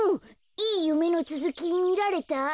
いいゆめのつづきみられた？